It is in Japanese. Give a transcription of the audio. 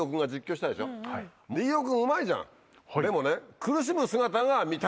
でもね。